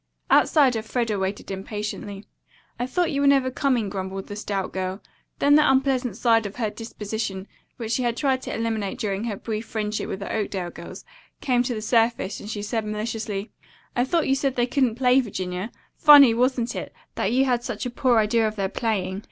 Outside Elfreda waited impatiently. "I thought you were never coming," grumbled the stout girl. Then the unpleasant side of her disposition, which she had tried to eliminate during her brief friendship with the Oakdale girls, came to the surface and she said maliciously: "I thought you said they couldn't play, Virginia. Funny, wasn't it, that you had such a poor idea of their playing?